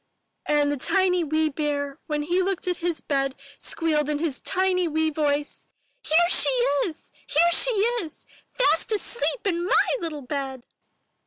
And the tiny wee bear, when he looked at his bed, squealed in his tiny wee voice, ''Here she is! Here she is! Fast asleep in my little bed."